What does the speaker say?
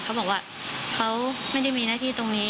เขาบอกว่าเขาไม่ได้มีหน้าที่ตรงนี้